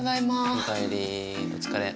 おかえりお疲れ。